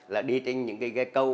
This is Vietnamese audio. là đi trên những cái gây câu